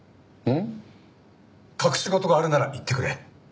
隠し事があるなら言ってくれ。